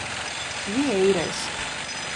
Vieiras